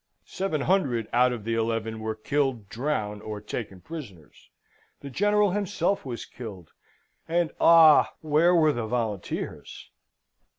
Seven hundred out of the eleven were killed, drowned, or taken prisoners the General himself was killed and, ah! where were the volunteers?